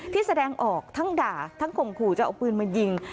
แสดงออกทั้งด่าทั้งข่มขู่จะเอาปืนมายิง